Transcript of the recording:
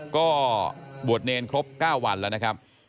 ก็บวชเนรครบ๙วันแล้วนะครับ